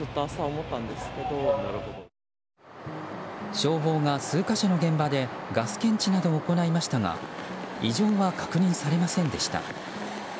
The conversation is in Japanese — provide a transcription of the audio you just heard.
消防が数か所の現場でガス検知などを行いましたが異常は確認されませんでした。